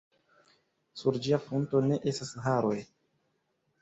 Sur ĝia frunto ne estas haroj.